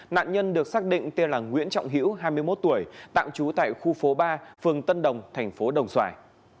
nạn nhân được xác định tên là nguyễn trọng hữu hai mươi một tuổi tạm trú tại khu phố ba phường tân đồng thành phố đồng xoài